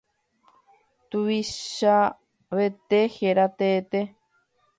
Tuvichavete héra tee.